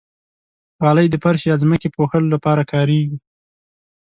غالۍ د فرش یا ځمکې پوښلو لپاره کارېږي.